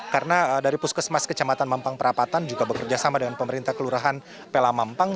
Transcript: karena dari puskesmas kecamatan mampang perapatan juga bekerjasama dengan pemerintah kelurahan pelamampang